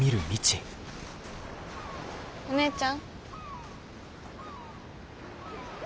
お姉ちゃん。